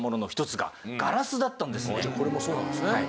じゃあこれもそうなんですね。